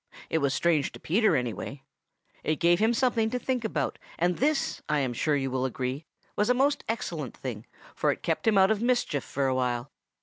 It was strange to Peter, anyway. It gave him something to think about, and this, I am sure you will agree, was a most excellent thing, for it kept him out of mischief for a while.